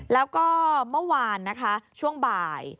แล้วก็เมื่อวานนะคะช่วงบ่าย